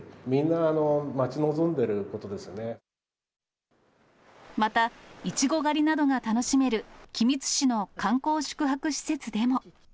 みんな待ち望んでいることですよまた、いちご狩りなどが楽しめる君津市の観光宿泊施設でも。